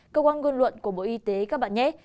cơ quan ngôn luận của bộ y tế các bạn nhét